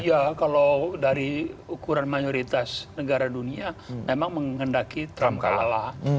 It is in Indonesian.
iya kalau dari ukuran mayoritas negara dunia memang menghendaki trump kalah